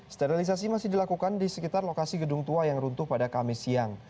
sterilisasi masih dilakukan di sekitar lokasi gedung tua yang runtuh pada kamis siang